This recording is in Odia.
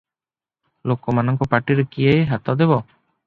ଲୋକମାନଙ୍କ ପାଟିରେ କିଏ ହାତଦେବ?